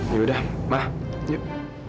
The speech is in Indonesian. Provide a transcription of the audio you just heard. yaudah mah yuk